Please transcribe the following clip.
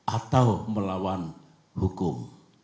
atau melawan hukum